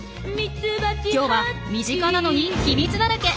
今日は身近なのに秘密だらけ！